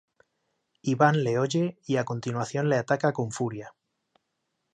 Iván le oye y a continuación le ataca con furia.